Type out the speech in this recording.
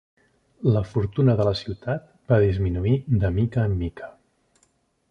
La fortuna de la ciutat va disminuir de mica en mica.